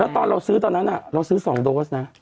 ตอนเราซื้อตอนนั้นเราซื้อ๒โดสนะ